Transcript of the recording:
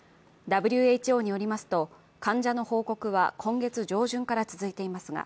ＷＨＯによりますと、患者の報告は今月上旬から続いていますが